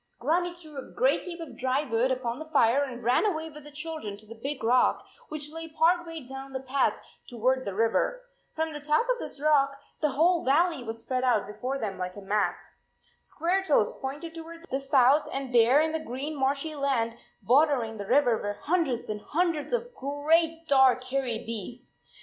Grannie threw a great heap of dry wood upon the fire and ran with the children to the big rock, which lay part way down the path toward the river. From the top of this 25 rock the whole valley was spread out be fore them like a map. Squaretoes pointed toward the south, and there in the green marshy land bordering the river were hundreds and hundreds of great dark hairy beasts.